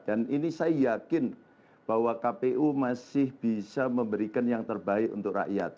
dan ini saya yakin bahwa kpu masih bisa memberikan yang terbaik untuk rakyat